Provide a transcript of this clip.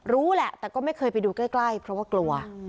รู้แหละแต่ก็ไม่เคยไปดูใกล้เพราะว่ากลัว